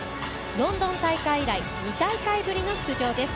ロンドン大会以来２大会ぶりの出場です。